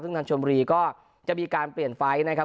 ซึ่งทางชนบุรีก็จะมีการเปลี่ยนไฟล์นะครับ